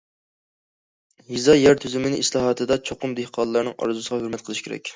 يېزا يەر تۈزۈمى ئىسلاھاتىدا چوقۇم دېھقانلارنىڭ ئارزۇسىغا ھۆرمەت قىلىش كېرەك.